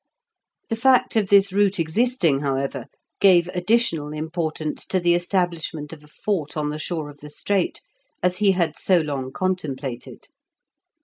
The fact of this route existing, however, gave additional importance to the establishment of a fort on the shore of the strait, as he had so long contemplated.